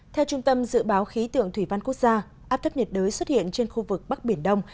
theo trung tâm dự báo khí tượng thủy văn quốc gia áp thấp nhiệt đới xuất hiện trên khu vực bắc biển đông